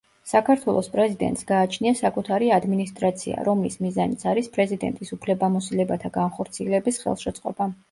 საქართველოს პრეზიდენტს გააჩნია საკუთარი ადმინისტრაცია, რომლის მიზანიც არის პრეზიდენტის უფლებამოსილებათა განხორციელების ხელშეწყობა.